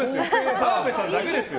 澤部さんだけですよ。